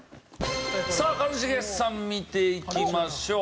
さあ一茂さん見ていきましょう。